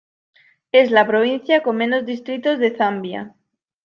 Es la provincia con menos distritos de Zambia.